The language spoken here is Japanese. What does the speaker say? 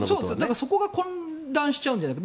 そこが混乱しちゃうんじゃないか。